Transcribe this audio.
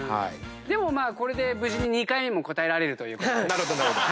でもこれで無事に２回目も答えられるということで。